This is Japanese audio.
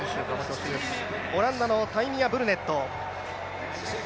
オランダのタイミア・ブルネット。